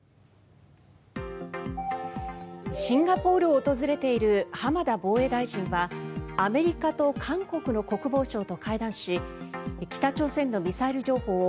シンガポールを訪れている浜田防衛大臣はアメリカと韓国の国防相と会談し北朝鮮のミサイル情報を